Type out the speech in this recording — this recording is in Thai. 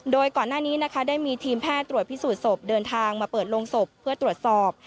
โดยก่อนหน้านี้นะคะได้มีทีมแพทย์ตรวจพิสูจนศพเดินทางมาเปิดโรงศพเพื่อตรวจสอบ